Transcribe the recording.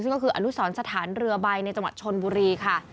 ซึ่งก็คืออนุสรสถานเรือใบในจังหวัดชนบุรีค่ะ